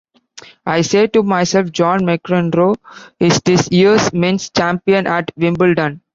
I say to myself "John McEnroe is this year's men's champion at Wimbledon".